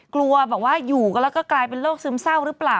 กลัวอยู่แล้วก็กลายเป็นโรคซึมเศร้าหรือเปล่า